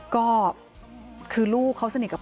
ก็คือลูกเขาสนิทกับ